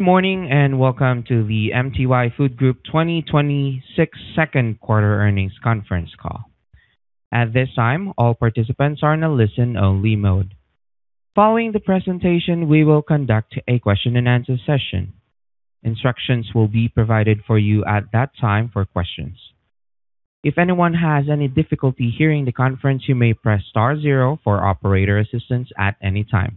Good morning. Welcome to the MTY Food Group 2026 second quarter earnings conference call. At this time, all participants are in a listen-only mode. Following the presentation, we will conduct a question-and-answer session. Instructions will be provided for you at that time for questions. If anyone has any difficulty hearing the conference, you may press star zero for operator assistance at any time.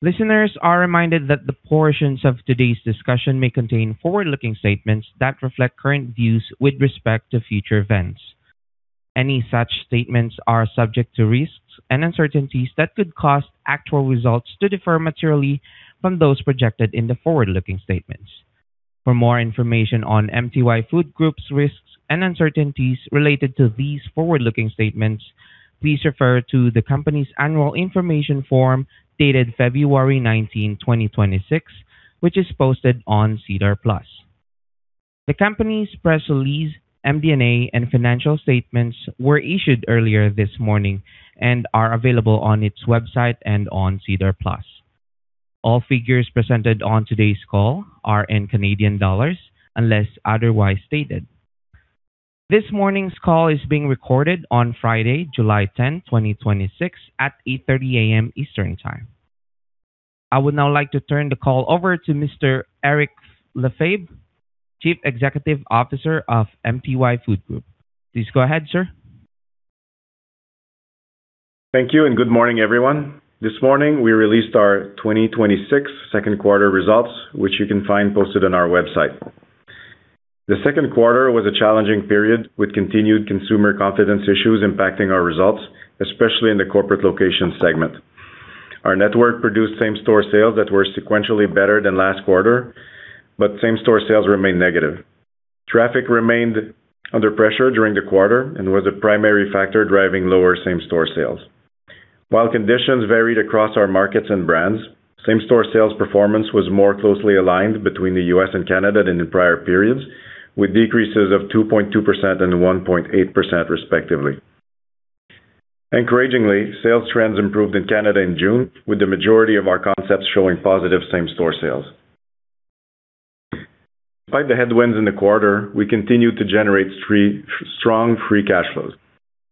Listeners are reminded that the portions of today's discussion may contain forward-looking statements that reflect current views with respect to future events. Any such statements are subject to risks and uncertainties that could cause actual results to differ materially from those projected in the forward-looking statements. For more information on MTY Food Group's risks and uncertainties related to these forward-looking statements, please refer to the company's annual information form dated February 19, 2026, which is posted on SEDAR+. The company's press release, MD&A, and financial statements were issued earlier this morning and are available on its website and on SEDAR+. All figures presented on today's call are in Canadian dollars unless otherwise stated. This morning's call is being recorded on Friday, July 10th, 2026, at 8:30 A.M. Eastern Time. I would now like to turn the call over to Mr. Eric Lefebvre, Chief Executive Officer of MTY Food Group. Please go ahead, sir. Thank you. Good morning, everyone. This morning, we released our 2026 second quarter results, which you can find posted on our website. The second quarter was a challenging period, with continued consumer confidence issues impacting our results, especially in the corporate location segment. Our network produced same-store sales that were sequentially better than last quarter, but same-store sales remained negative. Traffic remained under pressure during the quarter and was a primary factor driving lower same-store sales. While conditions varied across our markets and brands, same-store sales performance was more closely aligned between the U.S. and Canada than in prior periods, with decreases of 2.2% and 1.8%, respectively. Encouragingly, sales trends improved in Canada in June, with the majority of our concepts showing positive same-store sales. Despite the headwinds in the quarter, we continued to generate strong free cash flows.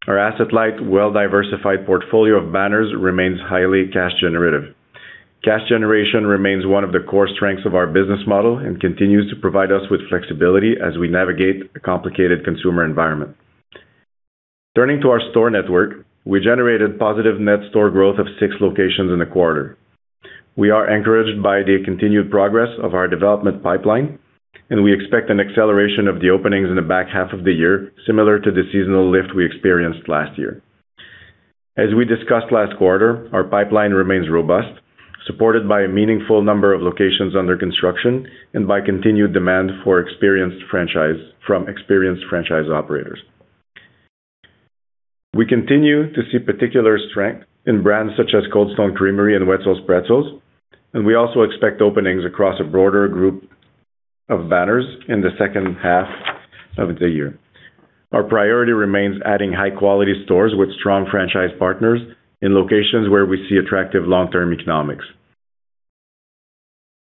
Our asset-light, well-diversified portfolio of banners remains highly cash generative. Cash generation remains one of the core strengths of our business model and continues to provide us with flexibility as we navigate a complicated consumer environment. Turning to our store network, we generated positive net store growth of six locations in the quarter. We are encouraged by the continued progress of our development pipeline, and we expect an acceleration of the openings in the back half of the year, similar to the seasonal lift we experienced last year. As we discussed last quarter, our pipeline remains robust, supported by a meaningful number of locations under construction and by continued demand from experienced franchise operators. We continue to see particular strength in brands such as Cold Stone Creamery and Wetzel's Pretzels, and we also expect openings across a broader group of banners in the second half of the year. Our priority remains adding high-quality stores with strong franchise partners in locations where we see attractive long-term economics.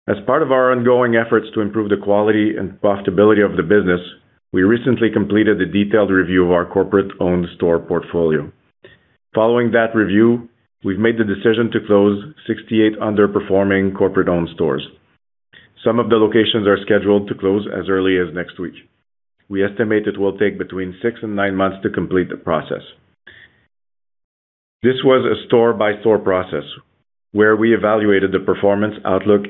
As part of our ongoing efforts to improve the quality and profitability of the business, we recently completed a detailed review of our corporate-owned store portfolio. Following that review, we've made the decision to close 68 underperforming corporate-owned stores. Some of the locations are scheduled to close as early as next week. We estimate it will take between six and nine months to complete the process. This was a store-by-store process where we evaluated the performance outlook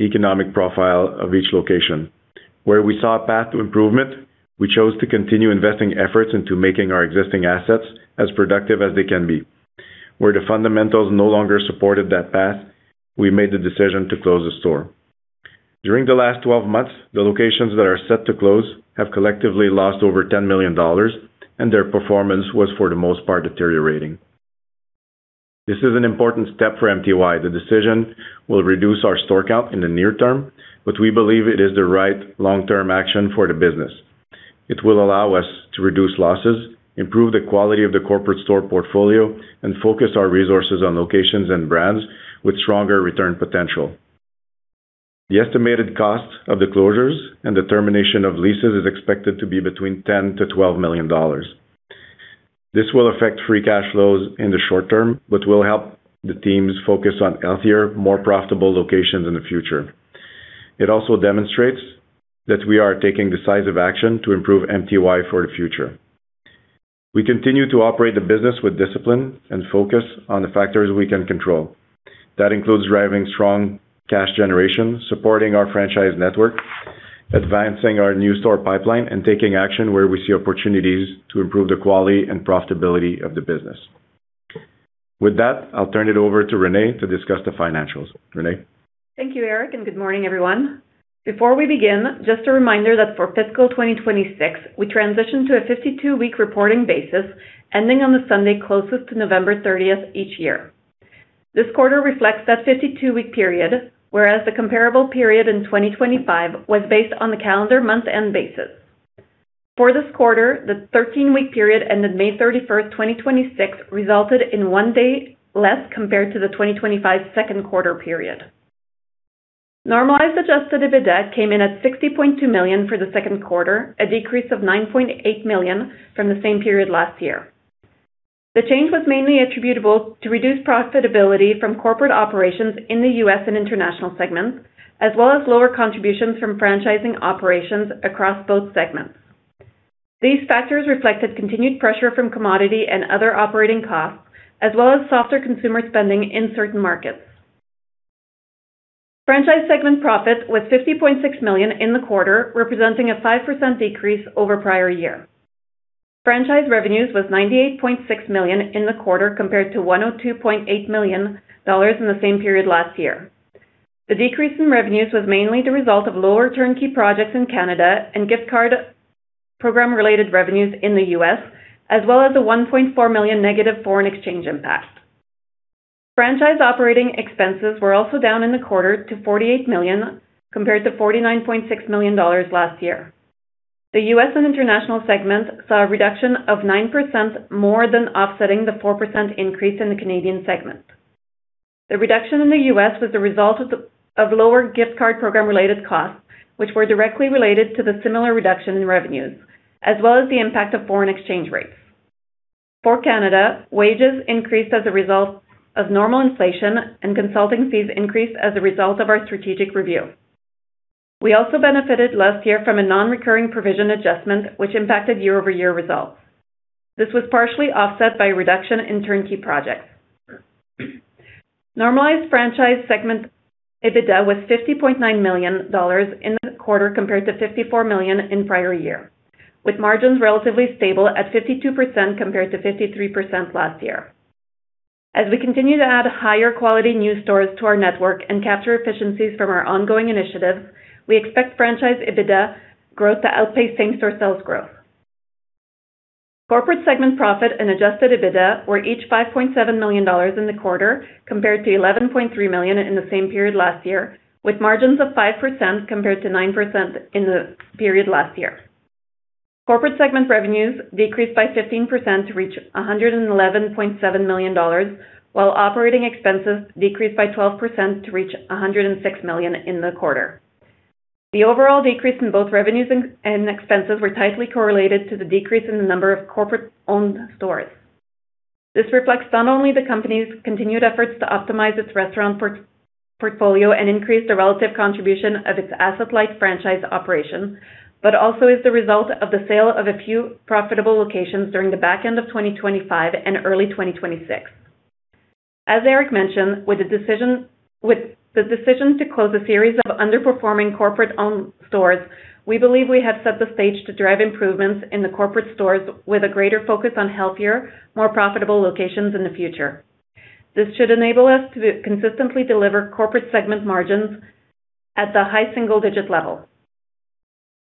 economic profile of each location. Where we saw a path to improvement, we chose to continue investing efforts into making our existing assets as productive as they can be. Where the fundamentals no longer supported that path, we made the decision to close the store. During the last 12 months, the locations that are set to close have collectively lost over 10 million dollars, their performance was, for the most part, deteriorating. This is an important step for MTY. The decision will reduce our store count in the near term, we believe it is the right long-term action for the business. It will allow us to reduce losses, improve the quality of the corporate store portfolio, and focus our resources on locations and brands with stronger return potential. The estimated cost of the closures and the termination of leases is expected to be between 10 million-12 million dollars. This will affect free cash flows in the short term, will help the teams focus on healthier, more profitable locations in the future. It also demonstrates that we are taking decisive action to improve MTY for the future. We continue to operate the business with discipline and focus on the factors we can control. That includes driving strong cash generation, supporting our franchise network, advancing our new store pipeline, and taking action where we see opportunities to improve the quality and profitability of the business. With that, I'll turn it over to Renée to discuss the financials. Renée? Thank you, Eric, good morning, everyone. Before we begin, just a reminder that for fiscal 2026, we transitioned to a 52-week reporting basis ending on the Sunday closest to November 30th each year. This quarter reflects that 52-week period, whereas the comparable period in 2025 was based on the calendar month end basis. For this quarter, the 13-week period ended May 31st, 2026, resulted in one day less compared to the 2025 second quarter period. Normalized adjusted EBITDA came in at 60.2 million for the second quarter, a decrease of 9.8 million from the same period last year. The change was mainly attributable to reduced profitability from corporate operations in the U.S. and international segments, as well as lower contributions from franchising operations across both segments. These factors reflected continued pressure from commodity and other operating costs, as well as softer consumer spending in certain markets. Franchise segment profit was 50.6 million in the quarter, representing a 5% decrease over prior year. Franchise revenues was 98.6 million in the quarter, compared to 102.8 million dollars in the same period last year. The decrease in revenues was mainly the result of lower turnkey projects in Canada and gift card program-related revenues in the U.S., as well as a 1.4 million negative foreign exchange impact. Franchise operating expenses were also down in the quarter to 48 million, compared to 49.6 million dollars last year. The U.S. and international segments saw a reduction of 9%, more than offsetting the 4% increase in the Canadian segment. The reduction in the U.S. was the result of lower gift card program-related costs, which were directly related to the similar reduction in revenues, as well as the impact of foreign exchange rates. For Canada, wages increased as a result of normal inflation, and consulting fees increased as a result of our strategic review. We also benefited last year from a non-recurring provision adjustment, which impacted year-over-year results. This was partially offset by a reduction in turnkey projects. Normalized franchise segment EBITDA was 50.9 million dollars in the quarter, compared to 54 million in prior year, with margins relatively stable at 52% compared to 53% last year. As we continue to add higher quality new stores to our network and capture efficiencies from our ongoing initiatives, we expect franchise EBITDA growth to outpace same-store sales growth. Corporate segment profit and adjusted EBITDA were each 5.7 million dollars in the quarter, compared to 11.3 million in the same period last year, with margins of 5% compared to 9% in the period last year. Corporate segment revenues decreased by 15% to reach 111.7 million dollars, while operating expenses decreased by 12% to reach 106 million in the quarter. The overall decrease in both revenues and expenses were tightly correlated to the decrease in the number of corporate-owned stores. This reflects not only the company's continued efforts to optimize its restaurant portfolio and increase the relative contribution of its asset-light franchise operations, but also is the result of the sale of a few profitable locations during the back end of 2025 and early 2026. As Eric mentioned, with the decision to close a series of underperforming corporate-owned stores, we believe we have set the stage to drive improvements in the corporate stores with a greater focus on healthier, more profitable locations in the future. This should enable us to consistently deliver corporate segment margins at the high single-digit level.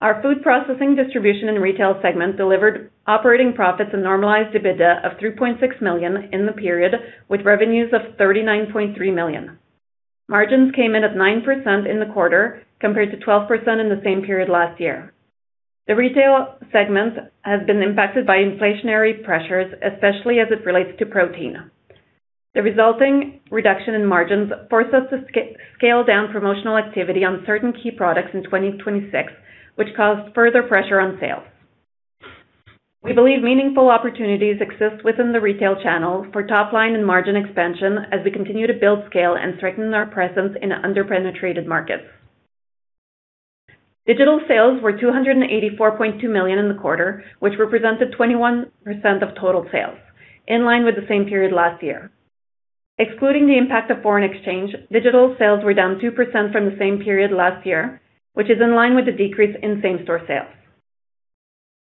Our food processing, distribution, and retail segment delivered operating profits and normalized EBITDA of 3.6 million in the period, with revenues of 39.3 million. Margins came in at 9% in the quarter, compared to 12% in the same period last year. The retail segment has been impacted by inflationary pressures, especially as it relates to protein. The resulting reduction in margins forced us to scale down promotional activity on certain key products in 2026, which caused further pressure on sales. We believe meaningful opportunities exist within the retail channel for top-line and margin expansion as we continue to build scale and strengthen our presence in under-penetrated markets. Digital sales were 284.2 million in the quarter, which represented 21% of total sales, in line with the same period last year. Excluding the impact of foreign exchange, digital sales were down 2% from the same period last year, which is in line with the decrease in same-store sales.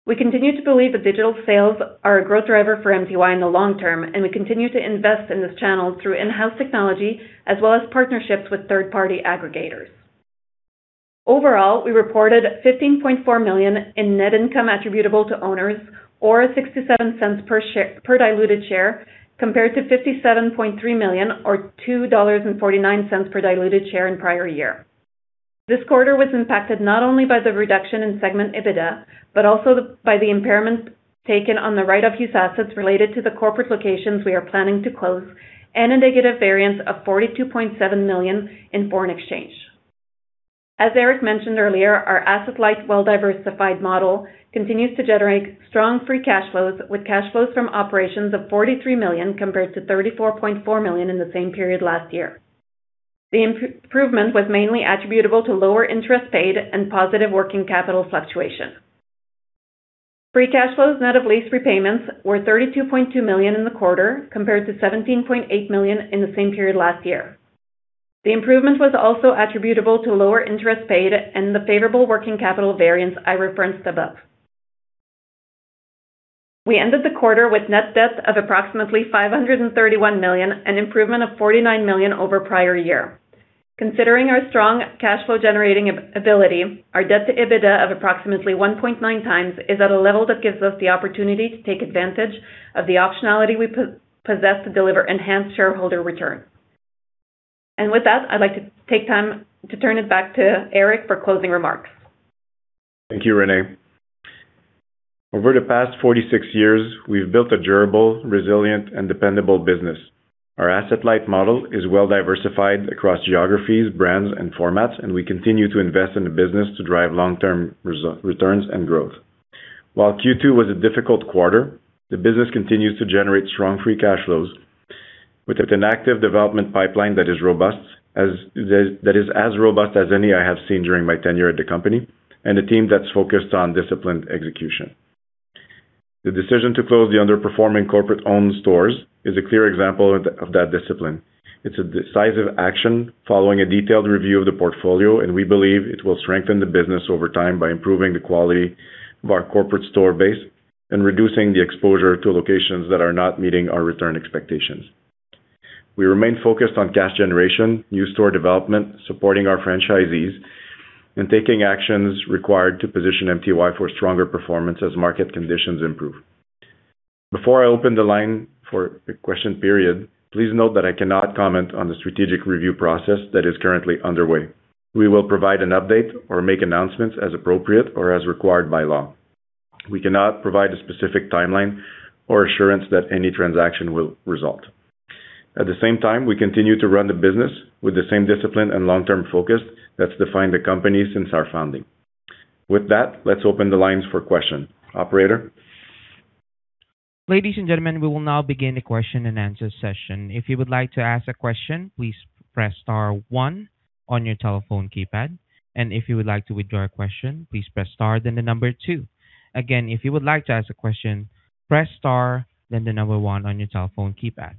We continue to believe that digital sales are a growth driver for MTY in the long term, and we continue to invest in this channel through in-house technology as well as partnerships with third-party aggregators. Overall, we reported 15.4 million in net income attributable to owners, or 0.67 per diluted share compared to 57.3 million or 2.49 dollars per diluted share in prior year. This quarter was impacted not only by the reduction in segment EBITDA, but also by the impairments taken on the right-of-use assets related to the corporate locations we are planning to close and a negative variance of 42.7 million in foreign exchange. As Eric mentioned earlier, our asset-light, well-diversified model continues to generate strong free cash flows with cash flows from operations of 43 million compared to 34.4 million in the same period last year. The improvement was mainly attributable to lower interest paid and positive working capital fluctuation. Free cash flows net of lease repayments were 32.2 million in the quarter compared to 17.8 million in the same period last year. The improvement was also attributable to lower interest paid and the favorable working capital variance I referenced above. We ended the quarter with net debt of approximately 531 million, an improvement of 49 million over prior year. Considering our strong cash flow-generating ability, our debt to EBITDA of approximately 1.9x is at a level that gives us the opportunity to take advantage of the optionality we possess to deliver enhanced shareholder return. With that, I'd like to take time to turn it back to Eric for closing remarks. Thank you, Renée. Over the past 46 years, we've built a durable, resilient, and dependable business. Our asset-light model is well-diversified across geographies, brands, and formats, and we continue to invest in the business to drive long-term returns and growth. While Q2 was a difficult quarter, the business continues to generate strong free cash flows with an active development pipeline that is as robust as any I have seen during my tenure at the company, and a team that's focused on disciplined execution. The decision to close the underperforming corporate-owned stores is a clear example of that discipline. It's a decisive action following a detailed review of the portfolio, and we believe it will strengthen the business over time by improving the quality of our corporate store base and reducing the exposure to locations that are not meeting our return expectations. We remain focused on cash generation, new store development, supporting our franchisees, and taking actions required to position MTY for stronger performance as market conditions improve. Before I open the line for the question period, please note that I cannot comment on the strategic review process that is currently underway. We will provide an update or make announcements as appropriate or as required by law. We cannot provide a specific timeline or assurance that any transaction will result. At the same time, we continue to run the business with the same discipline and long-term focus that's defined the company since our founding. With that, let's open the lines for question. Operator? Ladies and gentlemen, we will now begin the question-and-answer session. If you would like to ask a question, please press star one on your telephone keypad, and if you would like to withdraw a question, please press star then the number two. Again, if you would like to ask a question, press star, then the number one on your telephone keypad.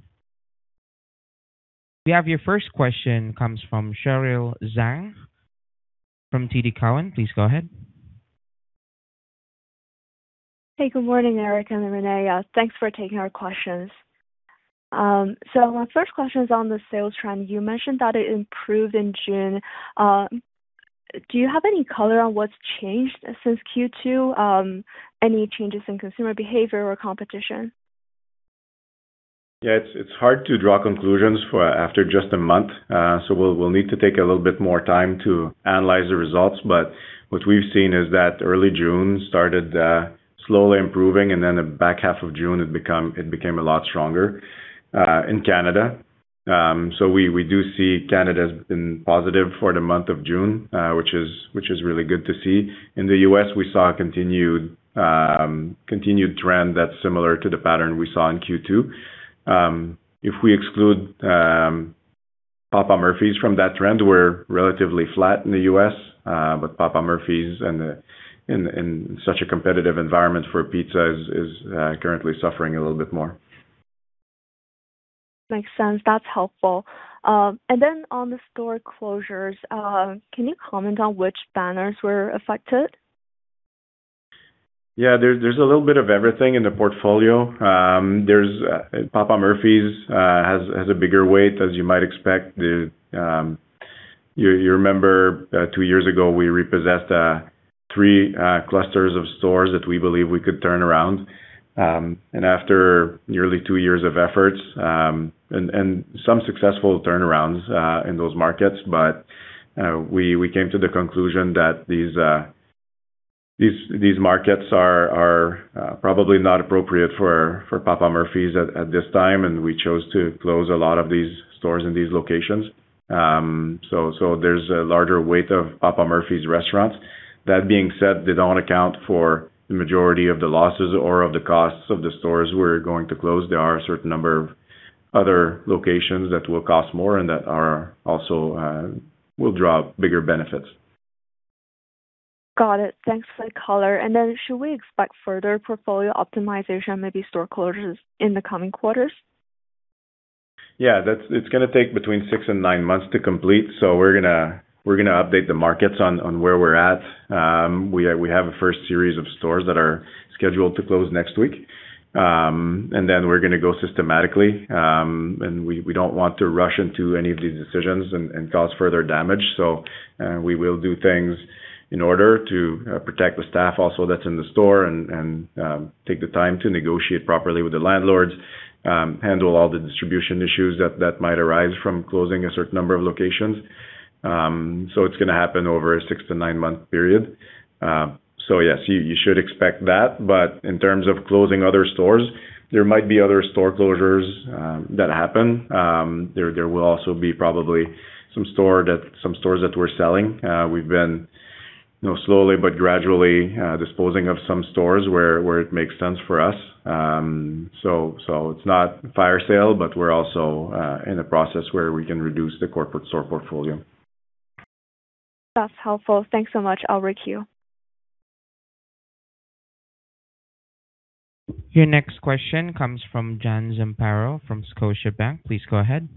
We have your first question comes from Cheryl Zhang from TD Cowen. Please go ahead. Hey, good morning, Eric and Renée. Thanks for taking our questions. My first question is on the sales trend. You mentioned that it improved in June. Do you have any color on what's changed since Q2? Any changes in consumer behavior or competition? Yeah, it's hard to draw conclusions after just a month, so we'll need to take a little bit more time to analyze the results. What we've seen is that early June started slowly improving, and then the back half of June it became a lot stronger, in Canada. We do see Canada has been positive for the month of June, which is really good to see. In the U.S., we saw a continued trend that's similar to the pattern we saw in Q2. If we exclude Papa Murphy's from that trend, we're relatively flat in the U.S., with Papa Murphy's in such a competitive environment for pizza is currently suffering a little bit more. Makes sense. That's helpful. Then on the store closures, can you comment on which banners were affected? Yeah, there's a little bit of everything in the portfolio. Papa Murphy's has a bigger weight, as you might expect. You remember, two years ago, we repossessed three clusters of stores that we believe we could turn around. After nearly two years of efforts, and some successful turnarounds in those markets, but we came to the conclusion that these markets are probably not appropriate for Papa Murphy's at this time, and we chose to close a lot of these stores in these locations. There's a larger weight of Papa Murphy's restaurants. That being said, they don't account for the majority of the losses or of the costs of the stores we're going to close. There are a certain number of other locations that will cost more, and that also will draw bigger benefits. Got it. Thanks for the color. Then should we expect further portfolio optimization, maybe store closures in the coming quarters? Yeah, it's gonna take between six and nine months to complete, so we're gonna update the markets on where we're at. We have a first series of stores that are scheduled to close next week, and then we're gonna go systematically. We don't want to rush into any of these decisions and cause further damage. We will do things in order to protect the staff also that's in the store and take the time to negotiate properly with the landlords, handle all the distribution issues that might arise from closing a certain number of locations. It's gonna happen over a six to nine-month period. Yes, you should expect that, but in terms of closing other stores, there might be other store closures that happen. There will also be probably some stores that we're selling. We've been slowly but gradually disposing of some stores where it makes sense for us. It's not fire sale, but we're also in the process where we can reduce the corporate store portfolio. That's helpful. Thanks so much. I'll re-queue Your next question comes from John Zamparo from Scotiabank. Please go ahead.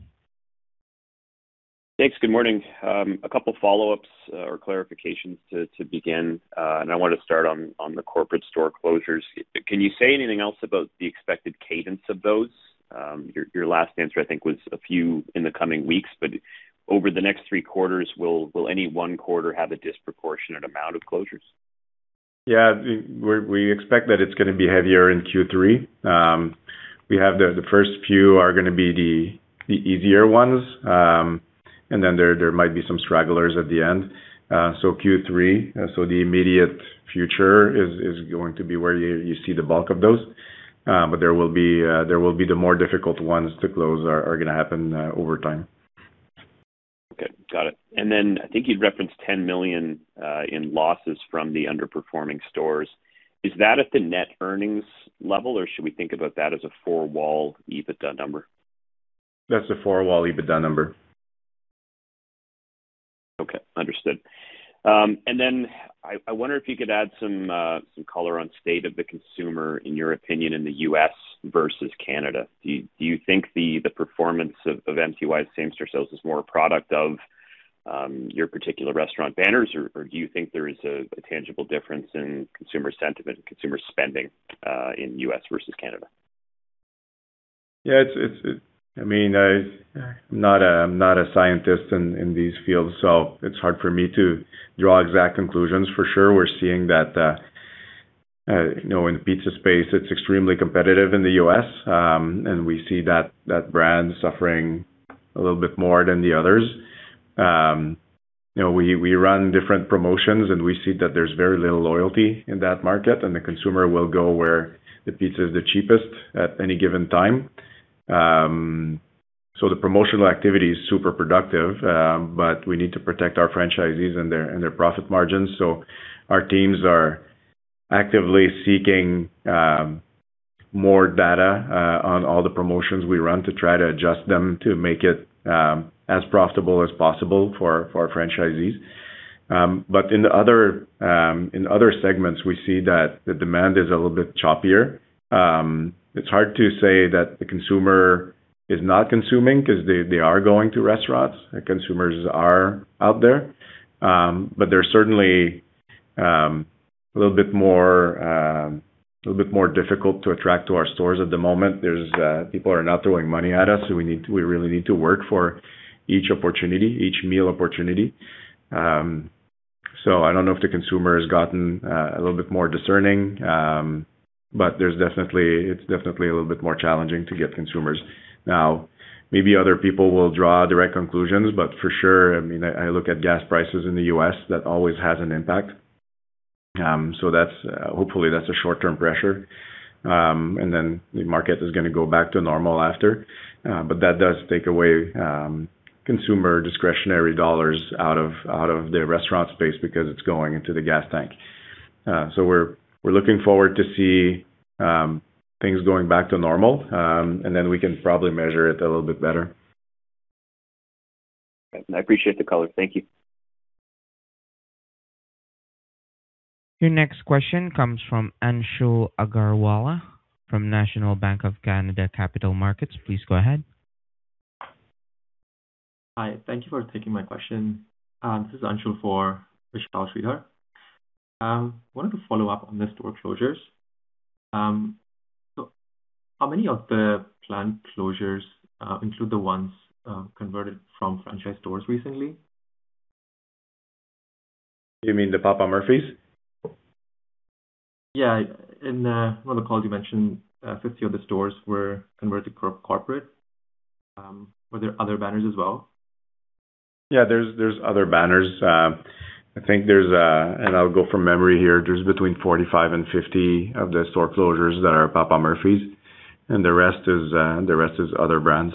Thanks. Good morning. A couple follow-ups or clarifications to begin. I want to start on the corporate store closures. Can you say anything else about the expected cadence of those? Your last answer, I think, was a few in the coming weeks, but over the next three quarters, will any one quarter have a disproportionate amount of closures? Yeah. We expect that it's going to be heavier in Q3. We have the first few are going to be the easier ones. Then there might be some stragglers at the end. Q3, so the immediate future, is going to be where you see the bulk of those. There will be the more difficult ones to close are going to happen over time. Okay, got it. Then I think you'd referenced 10 million in losses from the underperforming stores. Is that at the net earnings level, or should we think about that as a four-wall EBITDA number? That's a four-wall EBITDA number. Okay. Understood. Then I wonder if you could add some color on state of the consumer, in your opinion, in the U.S. versus Canada. Do you think the performance of MTY same-store sales is more a product of your particular restaurant banners? Do you think there is a tangible difference in consumer sentiment and consumer spending in U.S. versus Canada? I'm not a scientist in these fields, so it's hard for me to draw exact conclusions. For sure, we're seeing that, in the pizza space, it's extremely competitive in the U.S., and we see that brand suffering a little bit more than the others. We run different promotions, and we see that there's very little loyalty in that market, and the consumer will go where the pizza is the cheapest at any given time. The promotional activity is super productive, but we need to protect our franchisees and their profit margins. Our teams are actively seeking more data on all the promotions we run to try to adjust them to make it as profitable as possible for our franchisees. In other segments, we see that the demand is a little bit choppier. It's hard to say that the consumer is not consuming because they are going to restaurants. The consumers are out there. They're certainly, a little bit more difficult to attract to our stores at the moment. People are not throwing money at us, we really need to work for each opportunity, each meal opportunity. I don't know if the consumer has gotten a little bit more discerning. It's definitely a little bit more challenging to get consumers now. Maybe other people will draw direct conclusions, for sure, I look at gas prices in the U.S., that always has an impact. Hopefully that's a short-term pressure, the market is going to go back to normal after. That does take away consumer discretionary dollars out of the restaurant space because it's going into the gas tank. We're looking forward to see things going back to normal, we can probably measure it a little bit better. I appreciate the color. Thank you. Your next question comes from Anshul Agarwala from National Bank of Canada Capital Markets. Please go ahead. Hi. Thank you for taking my question. This is Anshul for Vishal Shreedhar. I wanted to follow up on the store closures. How many of the planned closures include the ones converted from franchise stores recently? Do you mean the Papa Murphy's? Yeah. In one of the calls, you mentioned 50 of the stores were converted corporate. Were there other banners as well? There's other banners. I think there's, and I'll go from memory here, there's between 45 and 50 of the store closures that are Papa Murphy's. The rest is other brands.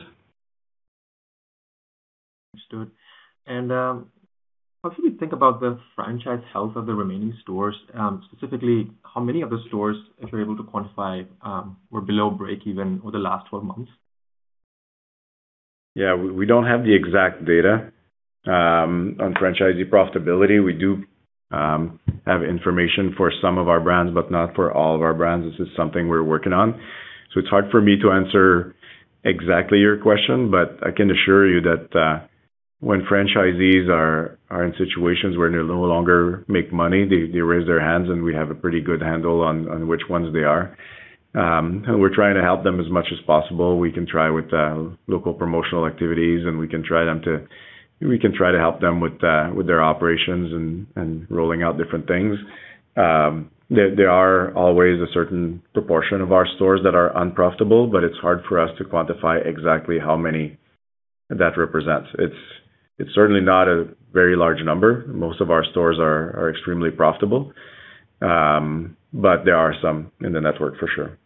Understood. How should we think about the franchise health of the remaining stores? Specifically, how many of the stores, if you're able to quantify, were below break even over the last 12 months? We don't have the exact data on franchisee profitability. We do have information for some of our brands, but not for all of our brands. This is something we're working on. It's hard for me to answer exactly your question, but I can assure you that when franchisees are in situations where they no longer make money, they raise their hands. We have a pretty good handle on which ones they are. We're trying to help them as much as possible. We can try with local promotional activities. We can try to help them with their operations and rolling out different things. There are always a certain proportion of our stores that are unprofitable, but it's hard for us to quantify exactly how many that represents. It's certainly not a very large number. Most of our stores are extremely profitable. There are some in the network for sure.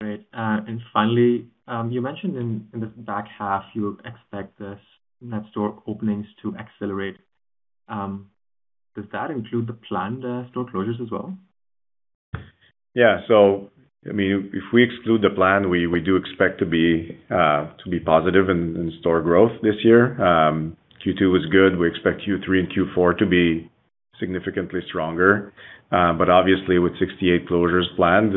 Great. Finally, you mentioned in the back half, you expect the net store openings to accelerate. Does that include the planned store closures as well? Yeah. If we exclude the plan, we do expect to be positive in store growth this year. Q2 was good. We expect Q3 and Q4 to be significantly stronger. Obviously with 68 closures planned,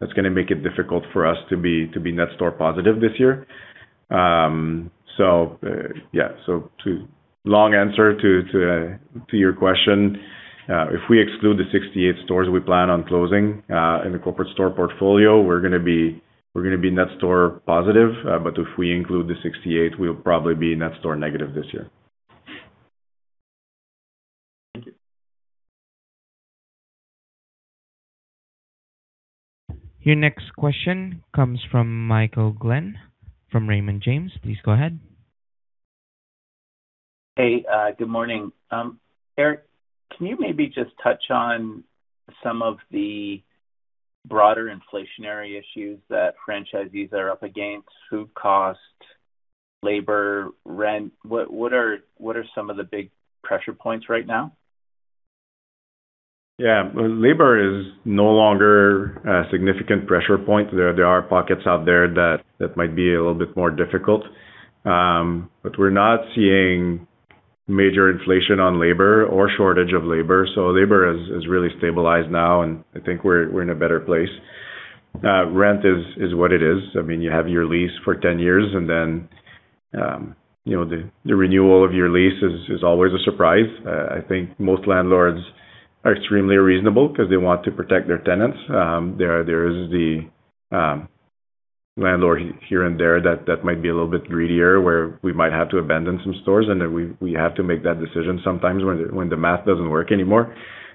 that's going to make it difficult for us to be net store positive this year. Yeah. Long answer to your question, if we exclude the 68 stores we plan on closing in the corporate store portfolio, we're going to be net store positive. If we include the 68, we'll probably be net store negative this year. Thank you. Your next question comes from Michael Glen from Raymond James. Please go ahead. Hey, good morning. Eric, can you maybe just touch on some of the broader inflationary issues that franchisees are up against? Food cost, labor, rent. What are some of the big pressure points right now? Yeah. Labor is no longer a significant pressure point. There are pockets out there that might be a little bit more difficult. We're not seeing major inflation on labor or shortage of labor. Labor has really stabilized now, and I think we're in a better place. Rent is what it is. You have your lease for 10 years. The renewal of your lease is always a surprise. I think most landlords are extremely reasonable because they want to protect their tenants. There is the landlord here and there that might be a little bit greedier, where we might have to abandon some stores. We have to make that decision sometimes when the math doesn't work anymore.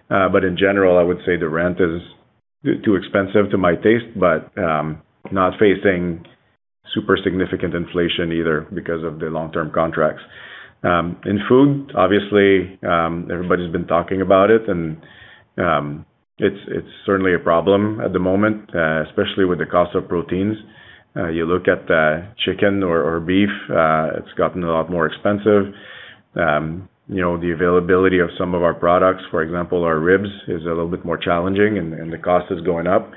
In general, I would say the rent is too expensive to my taste, but not facing super significant inflation either because of the long-term contracts. In food, obviously, everybody's been talking about it, and it's certainly a problem at the moment, especially with the cost of proteins. You look at chicken or beef, it's gotten a lot more expensive. The availability of some of our products, for example, our ribs, is a little bit more challenging, and the cost is going up.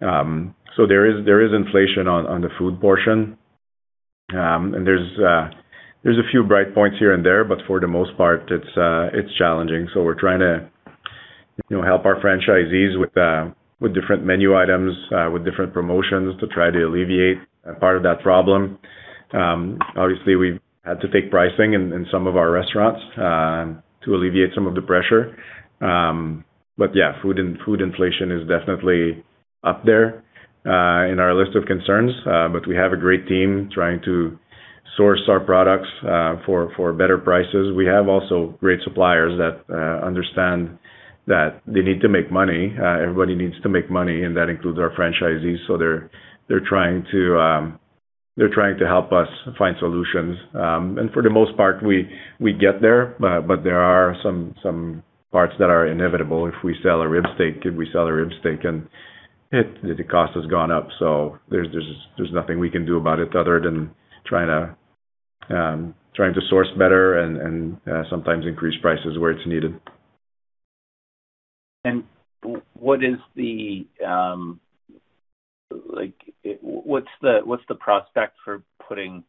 There is inflation on the food portion. There's a few bright points here and there, but for the most part, it's challenging. We're trying to help our franchisees with different menu items, with different promotions to try to alleviate a part of that problem. Obviously, we've had to take pricing in some of our restaurants to alleviate some of the pressure. Yeah, food inflation is definitely up there in our list of concerns. We have a great team trying to source our products for better prices. We have also great suppliers that understand that they need to make money. Everybody needs to make money, and that includes our franchisees. They're trying to help us find solutions. For the most part, we get there, but there are some parts that are inevitable. If we sell a rib steak, the cost has gone up. There's nothing we can do about it other than trying to source better and sometimes increase prices where it's needed. What's the prospect for putting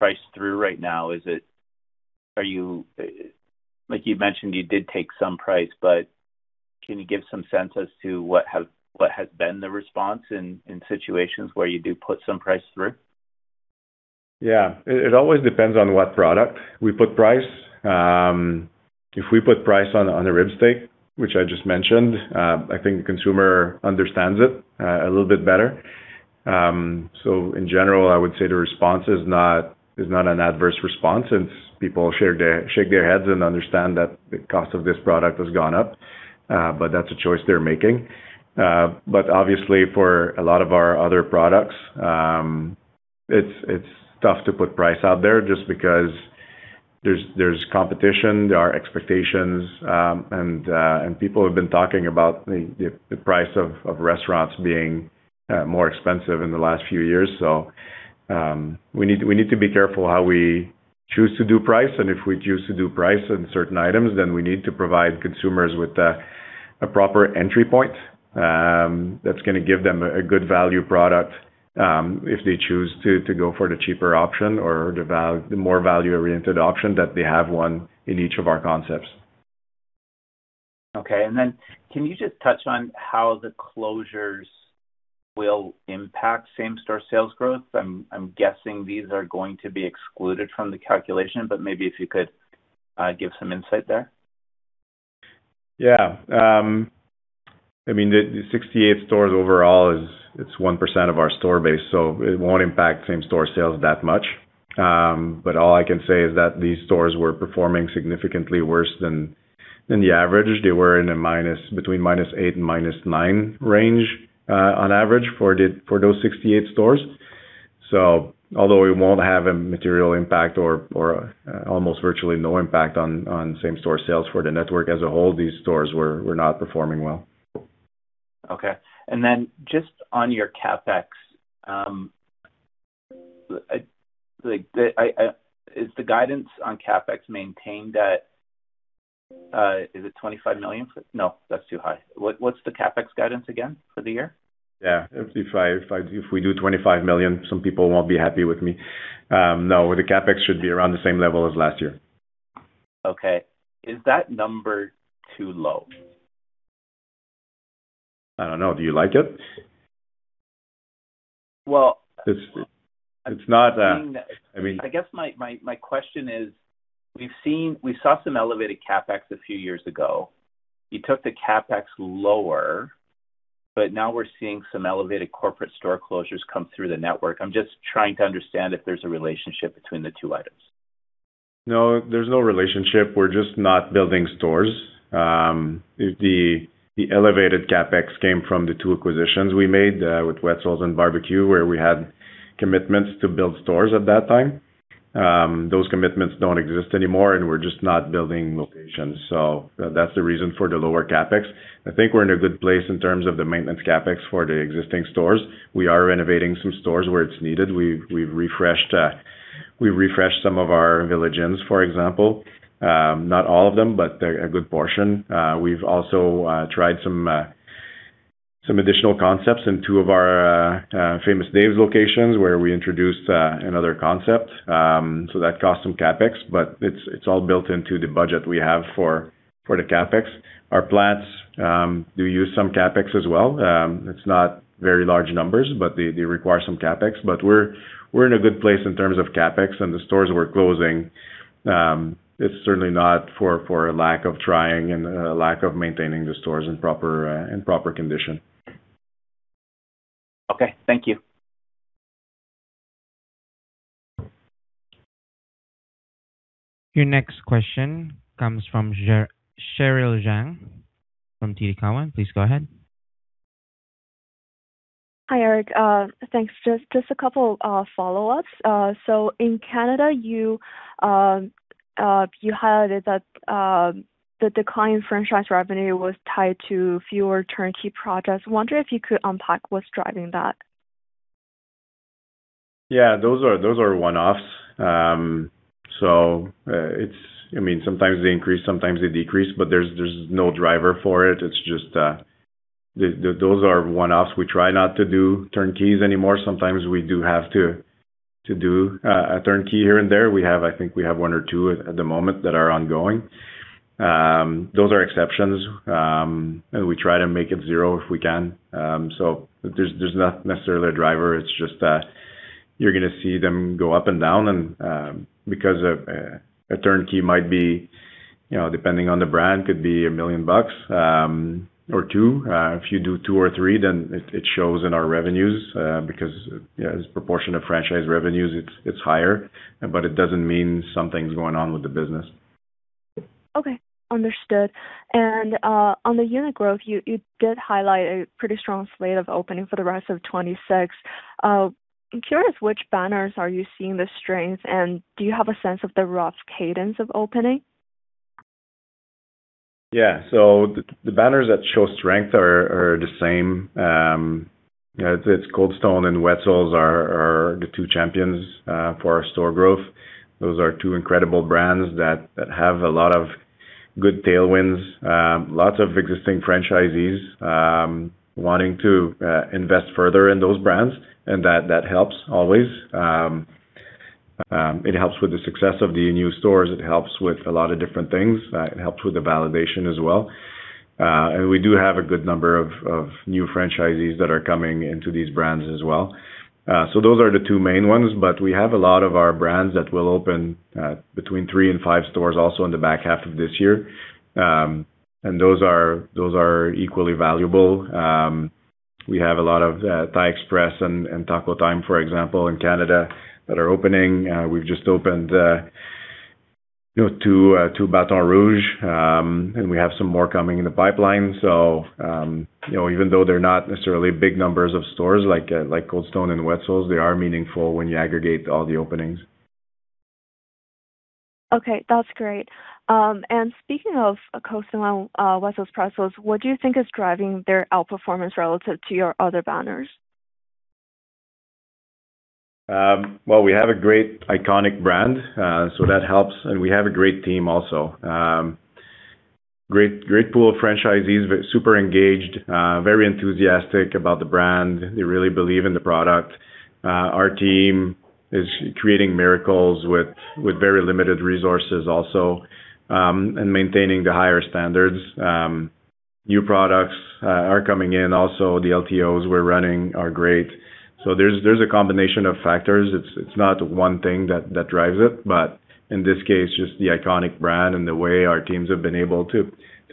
price through right now? You mentioned you did take some price, but can you give some sense as to what has been the response in situations where you do put some price through? It always depends on what product we put price. If we put price on a rib steak, which I just mentioned, I think the consumer understands it a little bit better. In general, I would say the response is not an adverse response since people shake their heads and understand that the cost of this product has gone up. That's a choice they're making. Obviously, for a lot of our other products, it's tough to put price out there just because there's competition, there are expectations, and people have been talking about the price of restaurants being more expensive in the last few years. We need to be careful how we choose to do price, and if we choose to do price on certain items, then we need to provide consumers with a proper entry point that's going to give them a good value product, if they choose to go for the cheaper option or the more value-oriented option, that they have one in each of our concepts. Then can you just touch on how the closures will impact same-store sales growth? I'm guessing these are going to be excluded from the calculation, but maybe if you could give some insight there. The 68 stores overall, it's 1% of our store base, so it won't impact same-store sales that much. All I can say is that these stores were performing significantly worse than the average. They were in a between -8 and -9 range on average for those 68 stores. Although it won't have a material impact or almost virtually no impact on same-store sales for the network as a whole, these stores were not performing well. Okay. Just on your CapEx. Is the guidance on CapEx maintained at, is it 25 million? No, that's too high. What's the CapEx guidance again for the year? If we do 25 million, some people won't be happy with me. No, the CapEx should be around the same level as last year. Okay. Is that number too low? I don't know. Do you like it? Well- It's not. I guess my question is, we saw some elevated CapEx a few years ago. You took the CapEx lower, now we're seeing some elevated corporate store closures come through the network. I'm just trying to understand if there's a relationship between the two items. No, there's no relationship. We're just not building stores. The elevated CapEx came from the two acquisitions we made, with Wetzel's and BBQ, where we had commitments to build stores at that time. Those commitments don't exist anymore, we're just not building locations. That's the reason for the lower CapEx. I think we're in a good place in terms of the maintenance CapEx for the existing stores. We are renovating some stores where it's needed. We've refreshed some of our Village Inns, for example. Not all of them, but a good portion. We've also tried some additional concepts in two of our Famous Dave's locations, where we introduced another concept. That cost some CapEx, but it's all built into the budget we have for the CapEx. Our plants do use some CapEx as well. It's not very large numbers, but they require some CapEx. We're in a good place in terms of CapEx. The stores we're closing, it's certainly not for lack of trying and lack of maintaining the stores in proper condition. Okay. Thank you. Your next question comes from Cheryl Zhang from TD Cowen. Please go ahead. Hi, Eric. Thanks. Just a couple follow-ups. In Canada, you highlighted that the decline in franchise revenue was tied to fewer turnkey projects. I wonder if you could unpack what's driving that. Those are one-offs. Sometimes they increase, sometimes they decrease, but there's no driver for it. It's just those are one-offs. We try not to do turnkeys anymore. Sometimes we do have to do a turnkey here and there. I think we have one or two at the moment that are ongoing. Those are exceptions. We try to make it zero if we can. There's not necessarily a driver, it's just you're going to see them go up and down, and because a turnkey might be, depending on the brand, could be 1 million bucks or two. If you do two or three, it shows in our revenues, because as a proportion of franchise revenues, it's higher, but it doesn't mean something's going on with the business. Okay. Understood. On the unit growth, you did highlight a pretty strong slate of opening for the rest of 2026. I'm curious which banners are you seeing the strength, and do you have a sense of the rough cadence of opening? The banners that show strength are the same. I'd say it's Cold Stone and Wetzel's are the two champions for our store growth. Those are two incredible brands that have a lot of good tailwinds. Lots of existing franchisees wanting to invest further in those brands, and that helps always. It helps with the success of the new stores. It helps with a lot of different things. It helps with the validation as well. We do have a good number of new franchisees that are coming into these brands as well. Those are the two main ones, but we have a lot of our brands that will open between three and five stores also in the back half of this year. Those are equally valuable. We have a lot of Thai Express and Taco Time, for example, in Canada that are opening. We've just opened two Bâton Rouge, and we have some more coming in the pipeline. Even though they're not necessarily big numbers of stores like Cold Stone and Wetzel's, they are meaningful when you aggregate all the openings. Okay. That's great. Speaking of Cold Stone and Wetzel's Pretzels, what do you think is driving their outperformance relative to your other banners? Well, we have a great iconic brand, so that helps. We have a great team also. Great pool of franchisees, super engaged, very enthusiastic about the brand. They really believe in the product. Our team is creating miracles with very limited resources also, and maintaining the higher standards. New products are coming in also. The LTOs we're running are great. There's a combination of factors. It's not one thing that drives it, but in this case, just the iconic brand and the way our teams have been able to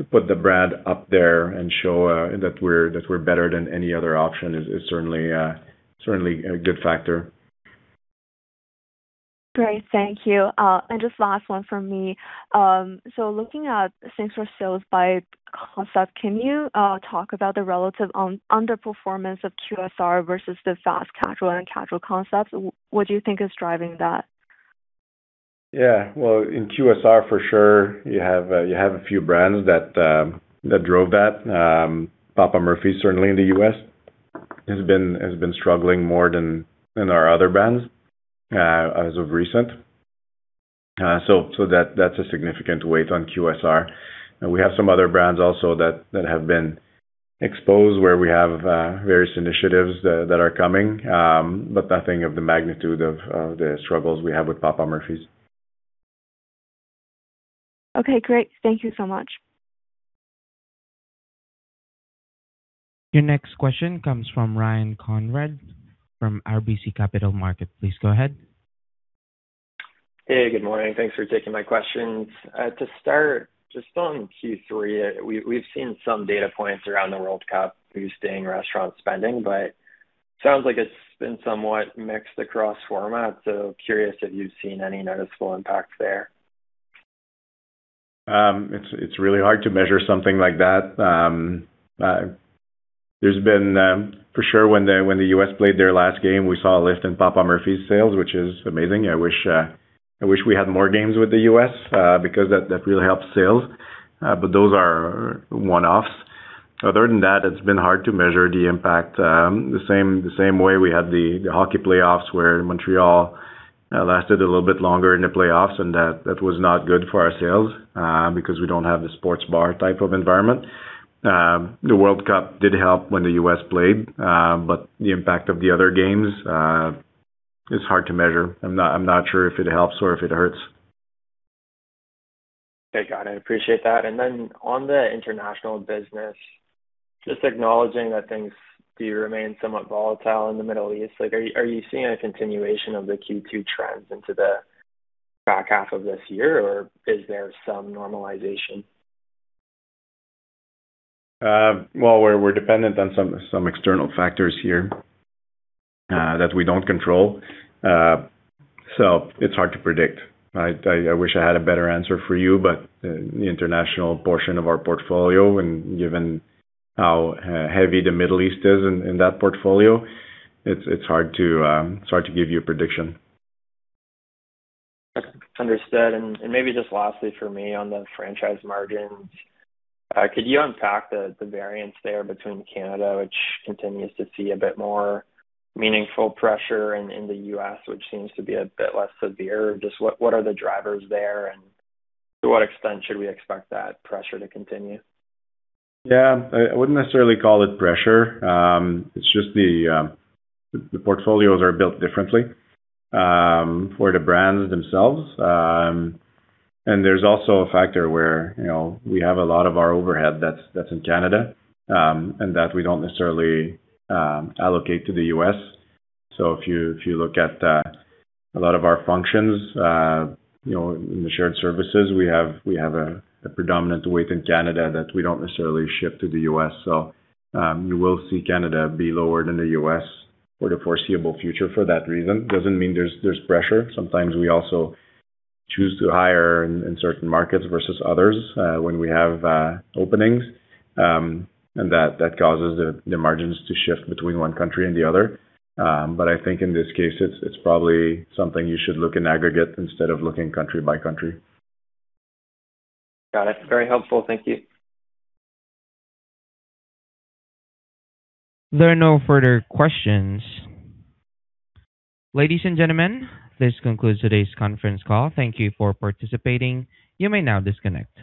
put the brand up there and show that we're better than any other option is certainly a good factor. Great. Thank you. Just last one from me. Looking at same-store sales by concept, can you talk about the relative underperformance of QSR versus the fast casual and casual concepts? What do you think is driving that? Yeah. Well, in QSR for sure, you have a few brands that drove that. Papa Murphy's certainly in the U.S. has been struggling more than our other brands as of recent. That's a significant weight on QSR. We have some other brands also that have been exposed, where we have various initiatives that are coming. Nothing of the magnitude of the struggles we have with Papa Murphy's. Okay, great. Thank you so much. Your next question comes from Ryland Conrad from RBC Capital Markets. Please go ahead. Hey, good morning. Thanks for taking my questions. To start, just on Q3, we've seen some data points around the World Cup boosting restaurant spending, but it sounds like it's been somewhat mixed across formats. Curious if you've seen any noticeable impact there. It's really hard to measure something like that. For sure, when the U.S. played their last game, we saw a lift in Papa Murphy's sales, which is amazing. I wish we had more games with the U.S. because that really helps sales. Those are one-offs. Other than that, it's been hard to measure the impact. The same way we had the hockey playoffs, where Montreal lasted a little bit longer in the playoffs, that was not good for our sales because we don't have the sports bar type of environment. The World Cup did help when the U.S. played, the impact of the other games is hard to measure. I'm not sure if it helps or if it hurts. Okay, got it. Appreciate that. Then on the international business, just acknowledging that things do remain somewhat volatile in the Middle East. Are you seeing a continuation of the Q2 trends into the back half of this year, or is there some normalization? Well, we're dependent on some external factors here that we don't control. It's hard to predict. I wish I had a better answer for you, the international portion of our portfolio, and given how heavy the Middle East is in that portfolio, it's hard to give you a prediction. Understood. Maybe just lastly from me on the franchise margins, could you unpack the variance there between Canada, which continues to see a bit more meaningful pressure, and the U.S., which seems to be a bit less severe? Just what are the drivers there, and to what extent should we expect that pressure to continue? Yeah, I wouldn't necessarily call it pressure. It's just the portfolios are built differently for the brands themselves. There's also a factor where we have a lot of our overhead that's in Canada, and that we don't necessarily allocate to the U.S. If you look at a lot of our functions, in the shared services, we have a predominant weight in Canada that we don't necessarily shift to the U.S. You will see Canada be lower than the U.S. for the foreseeable future for that reason. Doesn't mean there's pressure. Sometimes we also choose to hire in certain markets versus others when we have openings. That causes the margins to shift between one country and the other. I think in this case, it's probably something you should look in aggregate instead of looking country by country. Got it. Very helpful. Thank you. There are no further questions. Ladies and gentlemen, this concludes today's conference call. Thank you for participating. You may now disconnect.